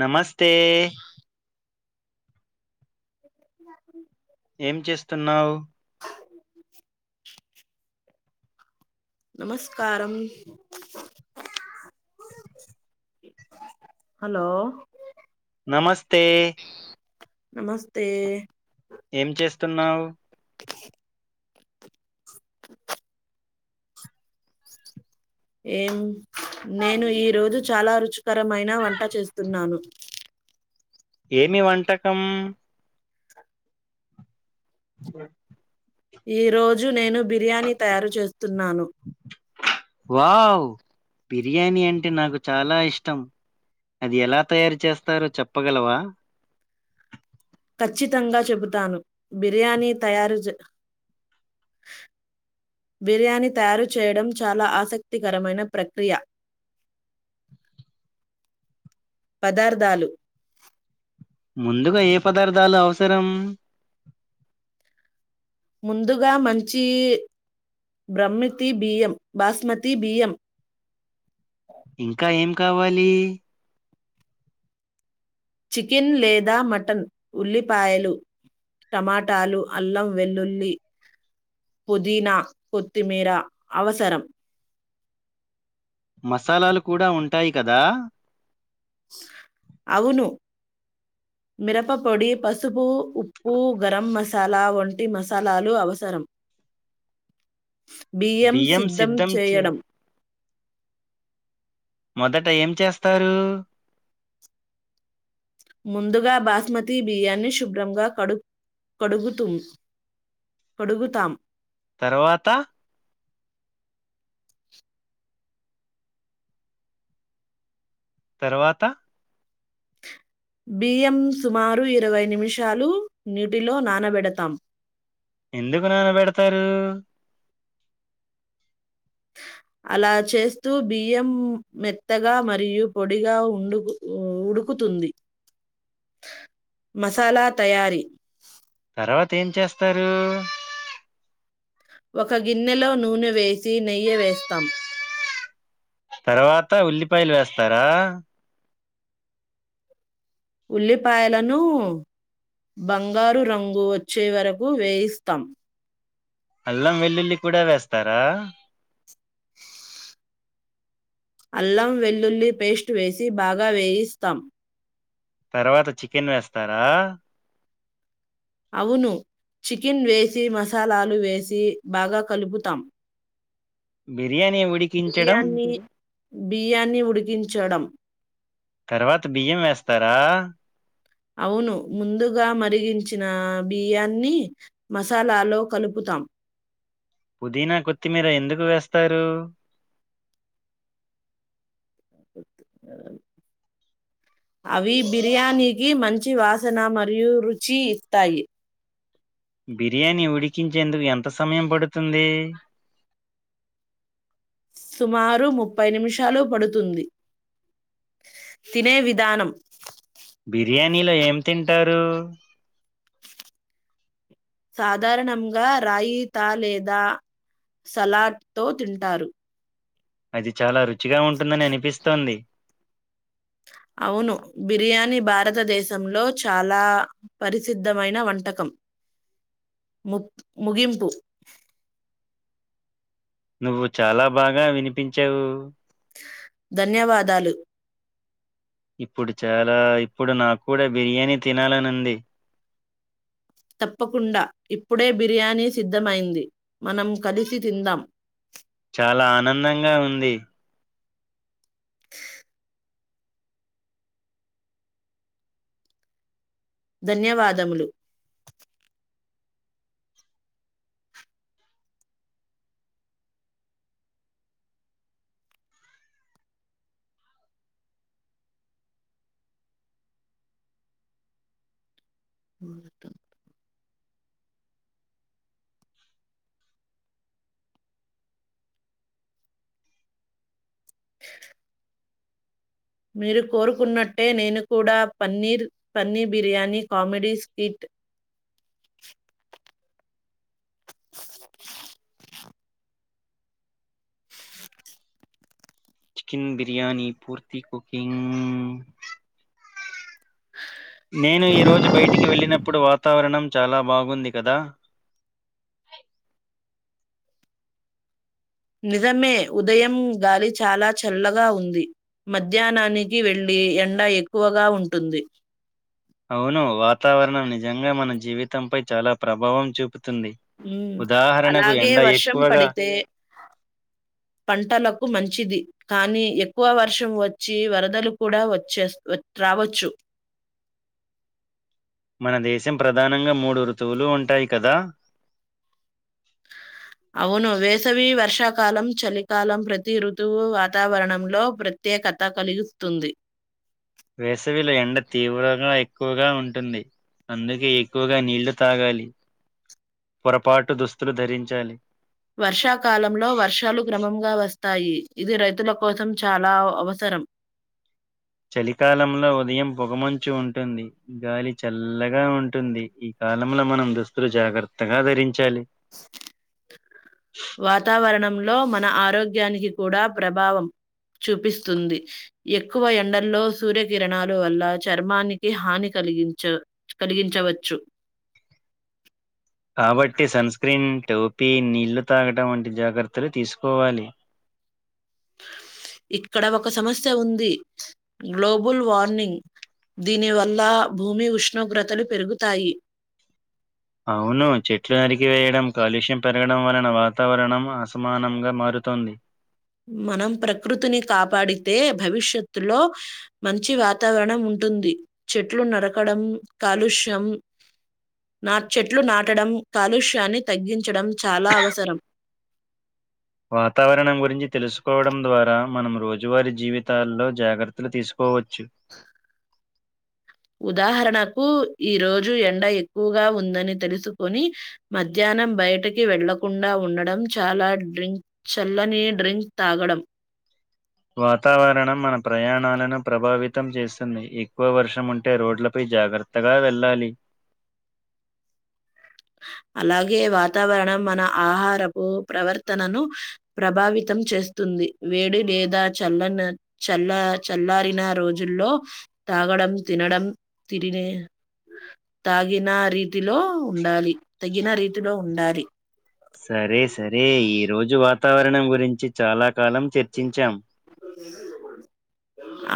నమస్తే ఇ [unintelligible] ఏం చేస్తున్నావు [unintelligible] నమస్కారం హలో నమస్తే నమస్తే ఏం చేస్తున్నావు [unintelligible] ఏం నేను ఈ రోజు చాలా రుచికరమైన వంట చేస్తున్నాను [unintelligible] ఏమి వంటకం ఆ ఈ రోజు నేను బిర్యానీ తయారు చేస్తున్నాను వావ్ బిర్యానీ అంటే నాకు చాలా ఇష్టం అది ఎలా తయారు చేస్తారో చెప్పగలవా ఖచ్చితంగా చెబుతాను బిర్యానీ తయారుచే [unintelligible] బిర్యానీ తయారు చేయడం చాలా ఆసక్తికరమైన ప్రక్రియ పదార్థాలు ముందుగా ఏ పదార్థాలు అవసరం ముందుగా మంచి బ్రహ్మితిీ బియం బాస్మతిీ బియం ఇంకా ఏం కావాలి చికెన్ లేదా మటన్ ఉల్లిపాయలు టమాటాలు అల్లం వెల్లుల్లి పుదీనా కొత్తిమీరా అవసరం మసాలాలు కూడా ఉంటాయి కదా అవును మిరప పొడి పసుపు ఉప్పు గరం మసాలా వంటి మసాలాలు అవసరం బియ్యం సిద్ధం చేయడం మొదట ఏం చేస్తారు ముందుగా బాస్మతి బియ్యాన్ని శుభ్రంగా కడు కడుగుతుం కడుగుతాం తర్వాత తర్వాత బియ్యం సుమారు ఇరవై నిమిషాలు నీటిలో నానబెడతాం ఎందుకు నానబడతారు అలా చేస్తూ బియ్యం మెత్తగా మరియు పొడిగా ఉండు కుతు మసాలా తయారీ తర్వాత ఏం చేస్తారు ఒక గిన్నెలో నూనె వేసి నెయ్యి వేస్తాం తర్వాత ఉల్లిపాయలు వేస్తారా ఉల్లిపాయలను బంగారు రంగు వచ్చే వరకు వేయిస్తాం అల్లం వెల్లుల్లి కూడా వేస్తారా అల్లం వెల్లుల్లి పేస్ట్ వేసి బాగా వేయిస్తాం తర్వాత చికెన్ వేస్తారా అవును చికెన్ వేసి మసాలాలు వేసి బాగా కలుపుతాం బిర్యానీ ఉడికించడం బియ్యాన్ని బియ్యాన్ని ఉడికించడం తర్వాత బియ్యం వేస్తారా అవును ముందుగా మరిగించిన బియ్యాన్ని మసాలాలో కలుపుతాం పుదీనా కొత్తిమీర ఎందుకు వేస్తారు అ అవి బిర్యానీకి మంచి వాసన మరియు రుచి ఇస్తాయి బిర్యానీ ఉడికించేందుకు ఎంత సమయం పడుతుంది సుమారు ముప్పై నిమిషాలు పడుతుంది తినే విధానం బిర్యానీలో ఏం తింటారు సాధారణంగా రాయి తా లేదా సలాట్ తో తింటారు అది చాలా రుచిగా ఉంటుందని అనిపిస్తోంది అవును బిర్యానీ భారతదేశంలో చాలా పరిసిద్ధమైన వంటకం ము ముగింపు నువ్వు చాలా బాగా వినిపించావు ధన్యవాదాలు ఇప్పుడు చాలా ఇప్పుడు నాకుడా బిర్యానీ తినాలనింది తప్పకుండా ఇప్పుడే బిర్యానీ సిద్ధమైంది మనం కలిసి తిందాం చాలా ఆనందంగా ఉంది ధన్యవాదములు ఉ మీరు కోరుకున్నట్టే నేను కూడా paneer paneer biryani comedy skit chicken biryani పూర్తి కుకింగ్ నేను ఈ రోజు బయటికి వెళ్ళినప్పుడు వాతావరణం చాలా బాగుంది కదా నిజమే ఉదయం గాలి చాలా చల్లగా ఉంది మధ్యాహ్నానికి వెలి ఎంండ ఎక్కువగా ఉంటుంది అవును వాతావరణం నిజంగా మన జీవితంపై చాలా ప్రభావం చూపు ఉ అలాగే వర్షం ఎక్కువగా పడితే పంటలకు మంచిది కానీ ఎక్కువ వర్షం వచ్చి వరదలు ఒచ్చే కూడా రావచ్చు [inaudible] మన దేశం ప్రధానంగా మూడు ఋతువులు ఉంటాయి కదా అవును వేసవి వర్షాకాలం చలికాలం ప్రతి ఋతువు వాతావరణంలో ప్రతి కథ కలిగిస్తుంది వేసవిలో ఎండ తీవ్రంగా ఎక్కువగా ఉంటుంది అందుకే ఎక్కువగా నీళ్లు తాగాలి పొరపాటు దుస్తులు ధరించాలి వర్షాకాలంలో వర్షాలు క్రమంగా వస్తాయి ఇది రైతుల కోసం చాలా అవసరం [inaudible] చలికాలంలో ఉదయం పొగమంచు ఉంటుంది గాలి చల్లగా ఉంటుంది ఈ కాలంలో మనం దుస్తులు జాగ్రత్తగా ధరిం వాతావరణం లో మన ఆరోగ్యానికి కూడా ప్రభావం చూపిస్తుంది ఎక్కువ ఎండల్లో సూర్యకిరణాలు వల్ల చర్మానికి హానికర కలిగించ కలిగించవచ్చు కాబట్టి సంస్ ట్ టోపీ నీళ్లు తాగటం వంటి జాగ్రత్తలు తీసుకోవాలి ఇక్కడ ఒక సమస్య ఉంది గ్లోబల్ వార్నింగ్ దీనివల్ల భూమి ఉష్ణోగ్రతలు పెరుగుతాయి అవును చెట్లు అరికివేయడం కాలుష్యం పెరగడం వలన వాతావరణం అసమానంగా మారు తోంది మనం ప్రకృతిని కాపాడితే భవిష్యత్తులో మంచి వాతావరణం ఉం ఉంటుంది చెట్లు నరకడం కాలుష్యం నా చెట్లు నాటడం కాలుష్యాన్ని తగ్గించడం చాలా అవసరం [inaudible] వాతావరణం గురించి తెలుసుకోవడం ద్వారా మనం రోజువారి జీవితాల్లో జాగ్రత్తలు తీసుకోవ చ్చు ఉదాహరణకు ఈ రోజు ఎండ ఎక్కువగా ఉందని తెలుసుకొని మధ్యాహ్నం బ బయటికి వెళ్లకుండా ఉండడం చాలా డ్రింక్ చల్లని డ్రింక్ తాగడం [inaudible] వాతావరణం మన ప్రయాణాలను ప్రభావితం చేస్తుంది ఎక్కువ వర్షం ఉంటే రోడ్లపై జాగ్రత్తగా వెళ్ళాలి హ అలాగే వాతావరణం మన ఆహారపు ప్రవర్తనను ప్రభావితం చేస్తుంది వేడి లేదా చల్లని చల్ల చల్ల చల్లారిన రోజుల్లో తాగడం తినడం త తాగిన రీతిలో ఉండాలి తగిన రీతిలో ఉండాలి. సరే సరే ఈ రోజు వాతావరణం గురించి చాలా కాలం చర్చించాం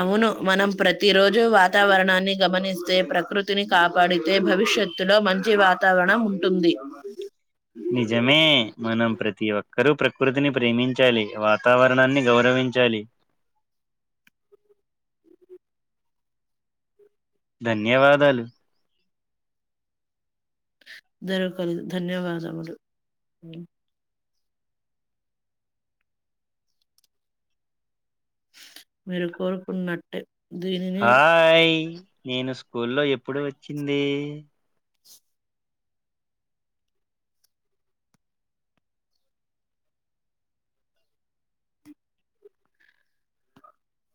అవును మనం ప్రతిరోజూ వాతావరణాన్ని గమనిస్తే ప్రకృతిని కాపాడి అయితే భవిష్యత్తులో మంచి వాతావరణం ఉంటుంది నిజమే మనం ప్రతి ఒక్క ప్రతీ ఒక్కరు ప్రకృతిని ప్రేమించాలి వాతావరణాన్ని గౌరవించాలి [inaudible] ధన్యవాదాలు జరకలు ధన్యవాదములు మీరు కోరుకున్నట్టే దీనిని హాయ్ నేను స్కూల్లో ఎప్పుడు వచ్చింది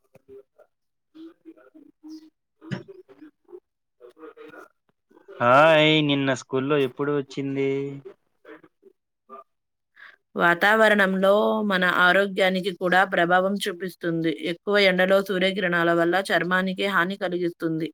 [inaudible] హాయ్ నిన్న స్కూల్లో ఎప్పుడు వచ్చింది వాతావరణంలో మన ఆరోగ్యానికి కూడా ప్రభావం చూపిస్తుంది ఎక్కువ ఎండ లో సూర్యకిరణాల వల్ల చర్మానికి హాని కలిగిస్తుంది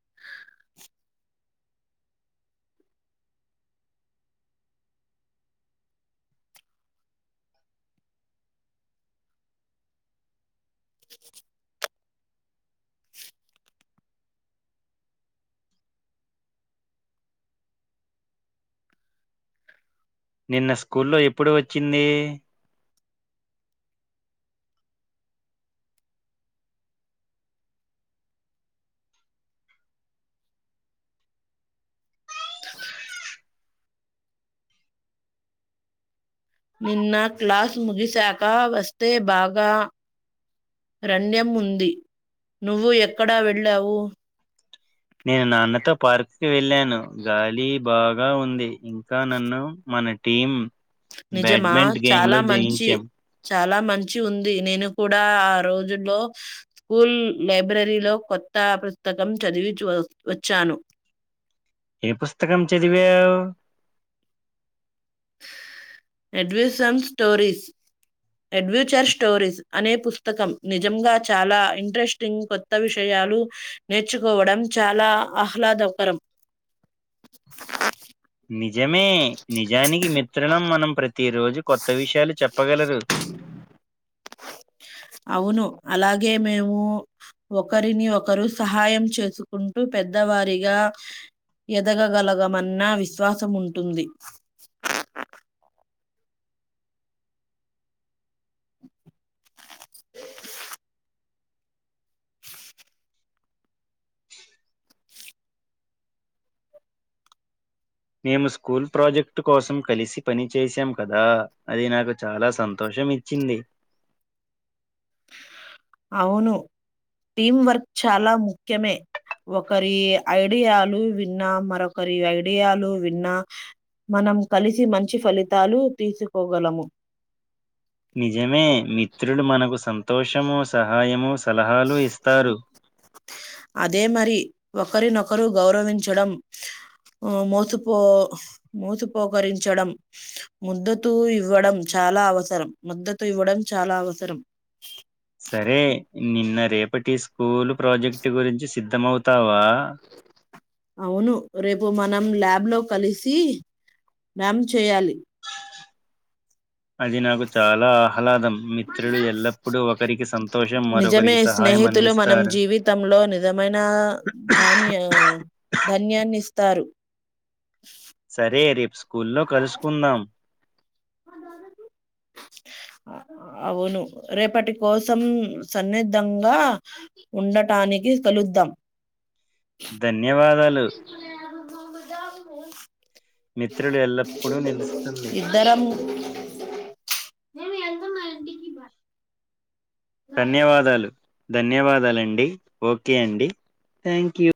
నిన్న స్కూల్లో ఎప్పుడు వచ్చింది? నిన్న క్లాస్ ముగిసాక వస్తే బాగా రణ్యం ఉంది నువ్వు ఎక్కడా వెళ్ళావు? నేను నాన్నతో పార్క్కి వెళ్ళాను గాలి బాగా ఉంది ఇంకా నన్ను మా మన టీం నిజమా బ్యాడ్మింట్ గేమ్ చాలా లో మంచి జయించాం చాలా మంచి చి ఉంది నేను కూడా ఆ రోజుల్లో స్కూల్ లైబ్రరీ లో కొత్త పుస్తకం చదివి వచ్చాను ఏ పుస్తకం చదివావ్ ఎడ్విసమ్ స్టోరీస్ అడ్వెంచర్ స్టోరీస్ అనే పుస్తకం నిజంగా చాలా ఇంట్రెస్టింగ్ కొత్త విషయ నేర్చుకోవడం చాలా ఆహ్లాదకరం [unintelligible] నిజమే నిజానికి మిత్రణం మనం ప్రతి రోజు కొత్త విషయాలు చెప్పగలరు అవును అలాగే మేము ఒకరిని ఒకరు సహాయం చేసుకుంటూ పెద్దవా సరిగా ఎదగగలగమన్న విశ్వాసము ఉంటుంది. [unintelligible] [unintelligible] మేము స్కూల్ ప్రాజెక్టు కోసం కలిసి పని చేసాం కదా అది నాకు చాలా సంతోషం. ఇచ్చింది. [unintelligible] అవును టీం వర్క్ చాలా ముఖ్యమే ఒకరి ఐడియాలు విన్నా మరొకరి ఐడియాలు విన్నా మనం కలిసి మంచి ఫలితాలు తీసుకోగలము. నిజమే మిత్రుడు మనకు సంతోషము, సహాయము సలహాలు ఇస్తారు. అదే మరి ఒకరినొకరు గౌరవించడం ఆ మోసుపో మోసుపోకరించడం ముద్దుతు ఇవ్వడం చ చాలా అవసరం మద్దతు ఇవ్వడం చాలా అవసరం సరే నిన్న రేపటి స్కూలు ప్రాజెక్టు గురించి సిద్ధమవుతావా? [unintelligible] అవును రేపు మనం ల్యాబ్ లో కలిసి మ్యామ్ చేయాలి అది నాకు చాలా ఆహ్లాదం మిత్రులు ఎల్లప్పుడూ ఒకరికి సంతోషం నిజమే మరొకరికి సహాయం స్నేహితులు మనం అందిస్తారు జీవితంలో నిజమైన ధాన్య ధన్యాన్ని తారు సరే రేపు స్కూల్లో కలుసుకుందాం [unintelligible] అవును రేపటి కోసం సన్నిద్ధంగా ఉండటానికి కలుద్దాం ధన్యవాదాలు మిత్రులు ఎల్లప్పుడూ నిలుస్తుంది [unintelligible] ఇద్దరము [unintelligible] ధన్యవాదాలు ధన్యవాదాలండి ఓకే అండి థంక్ యూ